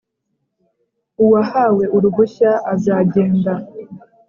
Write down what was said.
Uwahawe uruhushya azagenda.